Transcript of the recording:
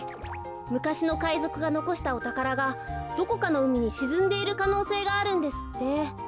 むかしのかいぞくがのこしたおたからがどこかのうみにしずんでいるかのうせいがあるんですって。